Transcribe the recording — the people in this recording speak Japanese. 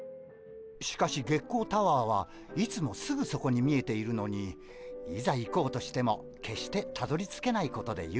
しかし月光タワーはいつもすぐそこに見えているのにいざ行こうとしても決してたどりつけないことで有名です。